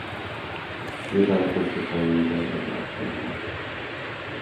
Світанак наступае незалежна ад пеўня.